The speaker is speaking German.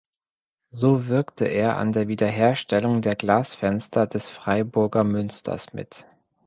So wirkte er an der Wiederherstellung der Glasfenster des Freiburger Münsters mit.